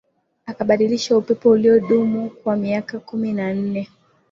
akabadilisha upepo uliodumu kwa miaka kumi na nne